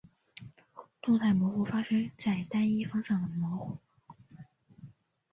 动态模糊发生在单一方向的模糊。